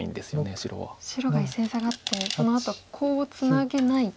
白が１線サガってそのあとコウをツナげないんですね。